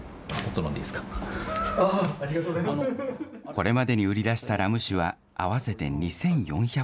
これまでに売り出したラム酒は合わせて２４００本。